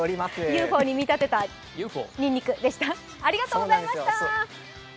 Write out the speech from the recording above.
ＵＦＯに見立てたにんにくでした。